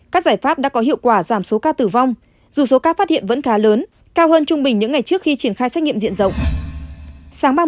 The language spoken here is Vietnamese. các giải pháp đã có hiệu quả giảm số ca tử vong dù số ca phát hiện vẫn khá lớn cao hơn trung bình những ngày trước khi triển khai xét nghiệm diện rộng